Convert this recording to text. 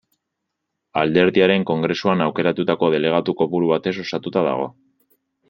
Alderdiaren Kongresuan aukeratutako delegatu kopuru batez osatuta dago.